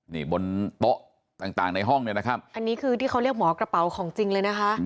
นี่บนโต๊ะต่างต่างในห้องเนี่ยนะครับอันนี้คือที่เขาเรียกหมอกระเป๋าของจริงเลยนะคะ